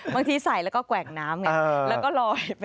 บางทีใส่แล้วก็แกว่งน้ำไงแล้วก็ลอยไป